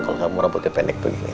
kalau kamu robotnya pendek begini